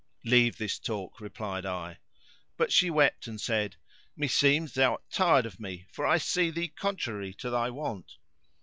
"Leave this talk," replied I. But she wept and said, "Me seems thou art tired of me, for I see thee contrary to thy wont."